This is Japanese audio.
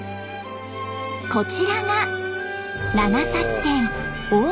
こちらが長崎県黄島。